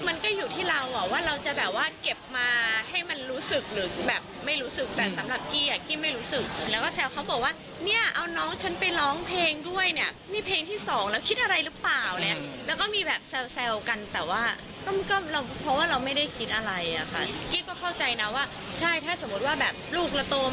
มันก็อยู่ที่เราอ่ะว่าเราจะแบบว่าเก็บมาให้มันรู้สึกหรือแบบไม่รู้สึกแต่สำหรับกี้อ่ะกี้ไม่รู้สึกแล้วก็แซวเขาบอกว่าเนี่ยเอาน้องฉันไปร้องเพลงด้วยเนี่ยนี่เพลงที่สองแล้วคิดอะไรหรือเปล่าอะไรแล้วก็มีแบบแซวกันแต่ว่าก็เราเพราะว่าเราไม่ได้คิดอะไรอะค่ะกี้ก็เข้าใจนะว่าใช่ถ้าสมมุติว่าแบบลูกเราโต